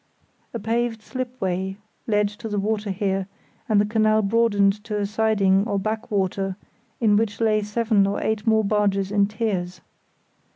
A paved slipway led to the water here, and the canal broadened to a siding or back water in which lay seven or eight more barges in tiers.